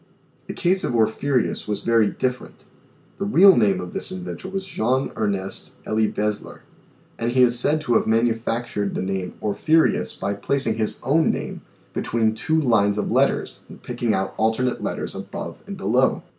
The case of Orffyreus was very different. The real PERPETUAL MOTION 77 name of this inventor was Jean Ernest Elie Bessler, and he is said to have manufactured the name Orffyreus by plac ing his own name between two lines of letters, and picking out alternate letters above and below.